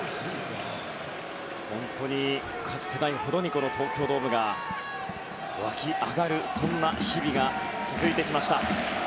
本当にかつてないほどに東京ドームが沸き上がるそんな日々が続いてきました。